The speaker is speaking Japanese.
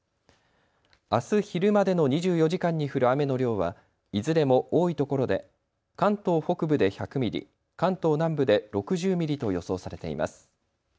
あす昼までの２４時間に降る雨の量はいずれも多いところで関東北部で１００ミリ、関東南部で６０ミリと予想されています。